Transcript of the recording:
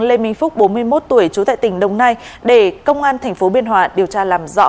lê minh phúc bốn mươi một tuổi trú tại tỉnh đồng nai để công an tp biên hòa điều tra làm rõ